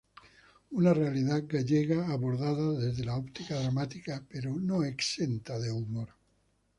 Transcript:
Una realidad gallega abordada desde la óptica dramática, pero no exenta de humor.